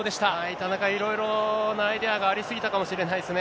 田中、いろいろなアイデアがあり過ぎたかもしれないですね。